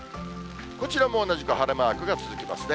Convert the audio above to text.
こちらも同じく晴れマークが続きますね。